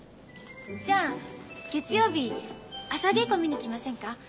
じゃあ月曜日朝稽古見に来ませんか？